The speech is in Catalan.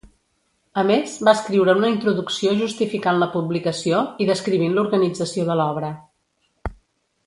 A més, va escriure una introducció justificant la publicació, i descrivint l'organització de l'obra.